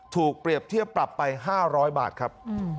ถูกเปรียบเทียบปรับไป๕๐๐บาทครับ